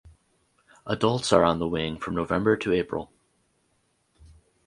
Adults are on the wing from November to April.